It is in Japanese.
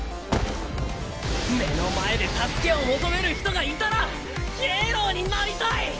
目の前で助けを求める人がいたらヒーローになりたい！